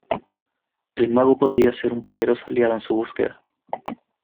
El Mago podría ser un poderoso aliado en su búsqueda.